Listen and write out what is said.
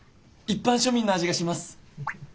一般庶民の味がします！